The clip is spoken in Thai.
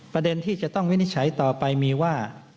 ประเด็นที่จะต้องวินิจฉัยต่อไปมีว่า